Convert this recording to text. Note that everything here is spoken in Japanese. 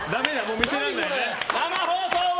生放送、笑